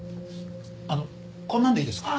あのこんなんでいいですか？